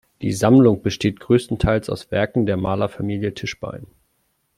Die Sammlung bestand größtenteils aus Werken der Malerfamilie Tischbein.